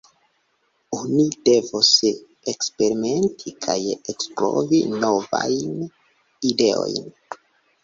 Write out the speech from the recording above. Oni devos eksperimenti kaj ekprovi novajn ideojn.